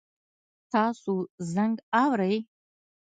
تاسو زنګ اورئ؟